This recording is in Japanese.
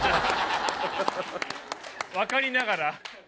分かりながら。